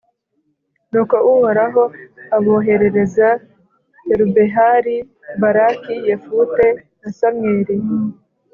nuko uhoraho aboherereza yerubehali, baraki, yefute na samweli